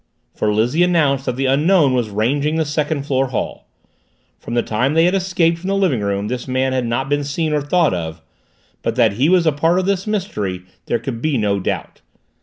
For Lizzie announced that the Unknown was ranging the second floor hall. From the time they had escaped from the living room this man had not been seen or thought of, but that he was a part of the mystery there could be no doubt.